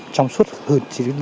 trong suốt hơn chí đến